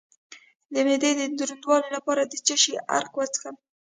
د معدې د دروندوالي لپاره د څه شي عرق وڅښم؟